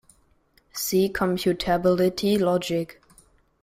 See Computability logic.